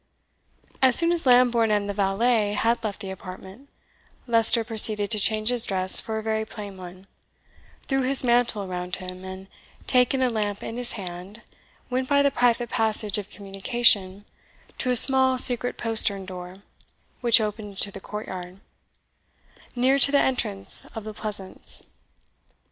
As soon as Lambourne and the valet had left the apartment, Leicester proceeded to change his dress for a very plain one, threw his mantle around him, and taking a lamp in his hand, went by the private passage of communication to a small secret postern door which opened into the courtyard, near to the entrance of the Pleasance.